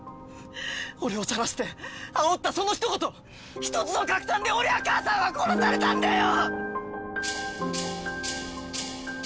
俺をさらしてあおったその一言一つの拡散で俺や母さんは殺されたんだよ！